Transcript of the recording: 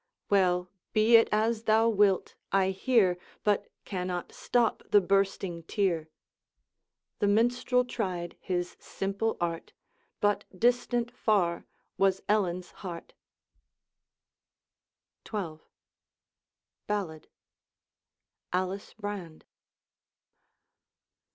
'Well, be it as thou wilt; I hear, But cannot stop the bursting tear.' The Minstrel tried his simple art, Rut distant far was Ellen's heart. XII. Ballad. Alice Brand.